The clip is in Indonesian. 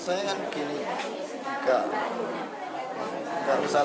jadi enam bulan baik tinggal